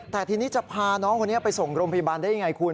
แต่ทีนี้จะพาน้องคนนี้ไปส่งโรงพยาบาลได้ยังไงคุณ